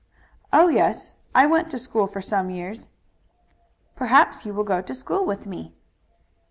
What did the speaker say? "Oh, yes; I went to school for some years." "Perhaps you will go to school with me?"